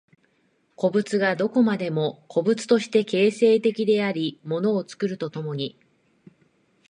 個物がどこまでも個物として形成的であり物を作ると共に、